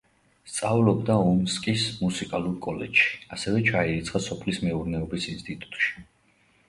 სწავლობდა ომსკის მუსიკალურ კოლეჯში, ასევე ჩაირიცხა სოფლის მეურნეობის ინსტიტუტში.